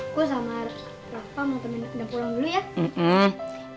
aku sama rafa mau temenin anda pulang dulu ya